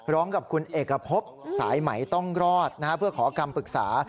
ร้องกับคุณเอกพบสายไหมต้องรอดเพื่อขอคำปรึกษา